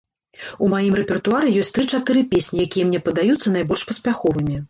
У маім рэпертуары ёсць тры-чатыры песні, якія мне падаюцца найбольш паспяховымі.